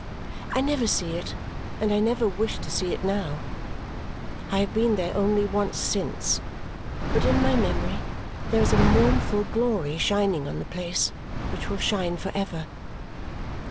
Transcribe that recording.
I never see it, and I never wish to see it now; I have been there only once since, but in my memory there is a mournful glory shining on the place which will shine for ever.